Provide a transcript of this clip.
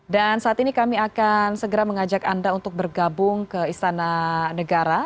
dan saat ini kami akan segera mengajak anda untuk bergabung ke istana negara